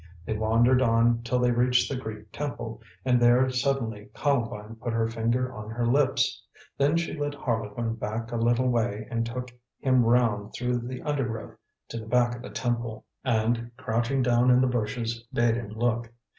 They wandered on till they reached the Greek temple, and there suddenly Columbine put her finger on her lips. Then she led Harlequin back a little way and took him round through the undergrowth to the back of the temple, and, crouching down in the bushes, bade him look.